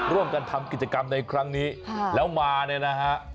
ร่วมกันทำกิจกรรมในครั้งนี้แล้วมาเนี่ยนะฮะ